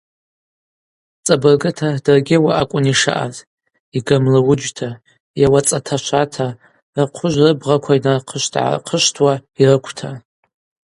Цӏабыргыта, даргьи ауи акӏвын йшаъаз: йгамлауыджьта, йауацӏаташвата, рхъвыжв рыбгъаква йнархъышвтгӏархъышвтуа йрыквта.